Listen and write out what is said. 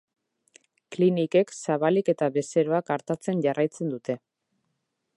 Klinikek zabalik eta bezeroak artatzen jarraitzen dute.